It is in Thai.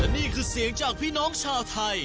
นี่คือเสียงจากพี่น้องชาวไทย